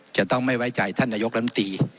จะต้องไม่ไว้ใจท่านนายกลำตี